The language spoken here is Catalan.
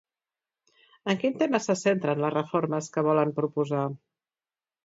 En quin tema se centren les reformes que volen proposar?